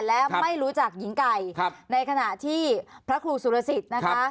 และไม่รู้จักหญิงไก่ในขณะที่พระครูสุรสิทธิ์นะคะ